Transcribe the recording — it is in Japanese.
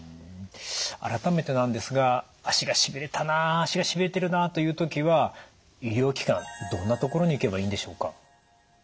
改めてなんですが足がしびれたな足がしびれてるなという時は医療機関どんな所に行けばいいんでしょうか？